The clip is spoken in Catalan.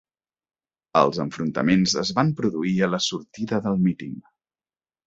Els enfrontaments es van produir a la sortida del míting